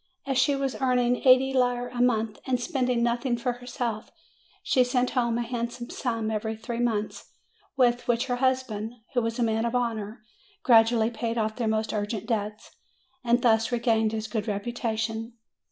As she was earning eighty lire a month and spending nothing for herself, she sent home a handsome sum every three months, with which her husband, who was a man of honor, gradually paid off their most urgent debts, and thus regained his good reputation.